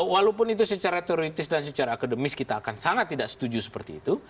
walaupun itu secara teoritis dan secara akademis kita akan sangat tidak setuju seperti itu